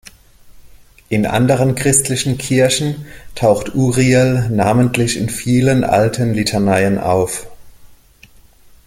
In anderen christlichen Kirchen taucht Uriel namentlich in vielen alten Litaneien auf.